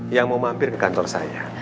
yang mau mampir ke kantor saya